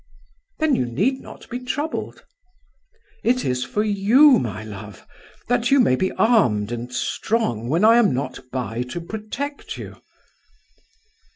"Then you need not be troubled." "It is for you, my love; that you may be armed and strong when I am not by to protect you."